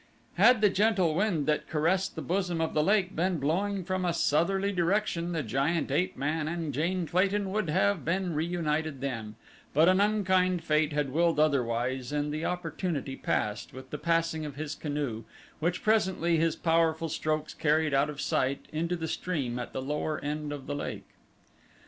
Had the gentle wind that caressed the bosom of the lake been blowing from a southerly direction the giant ape man and Jane Clayton would have been reunited then, but an unkind fate had willed otherwise and the opportunity passed with the passing of his canoe which presently his powerful strokes carried out of sight into the stream at the lower end of the lake.